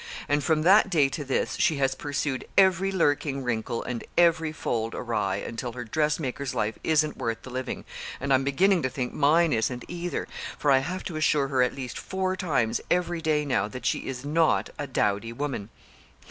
And from that day to this she has pursued every lurking wrinkle and every fold awry, until her dressmaker's life isn't worth the living; and I'm beginning to think mine isn't, either, for I have to assure her at least four times every day now that she is not a dowdy woman."